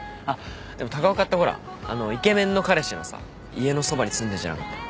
でも高岡ってほらあのイケメンの彼氏のさ家のそばに住んでんじゃなかった？